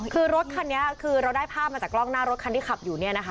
คือรถคันนี้คือเราได้ภาพมาจากกล้องหน้ารถคันที่ขับอยู่เนี่ยนะคะ